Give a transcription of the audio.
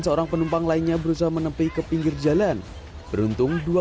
seorang penumpang lainnya berusaha menepi ke pinggir jalan beruntung dua